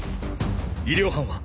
医療班は？